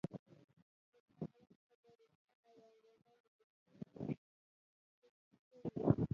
تر هغه وخته به روسان او انګریزان د دوستۍ پسې ستړي وي.